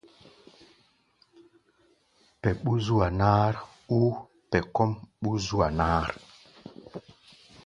Pɛʼm ɓú-zua-náár ou pɛ kɔ́ʼm ɓú-zúa-náár.